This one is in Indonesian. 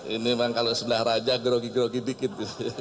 ini memang kalau sebelah raja grogi grogi dikit